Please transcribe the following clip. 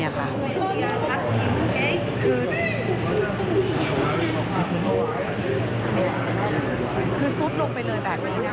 พบหน้าลูกแบบเป็นร่างไร้วิญญาณ